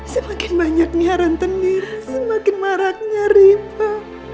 semakin banyak nyaran tenir semakin maraknya riba